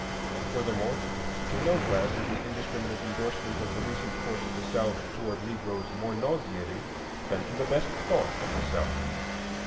Furthermore, to no class is the indiscriminate endorsement of the recent course of the South toward Negroes more nauseating than to the best thought of the South.